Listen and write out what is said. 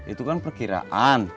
itu kan perkiraan